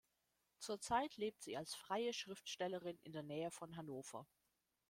Zurzeit lebt sie als freie Schriftstellerin in der Nähe von Hannover.